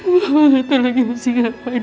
mama gak tahu lagi masih ngapain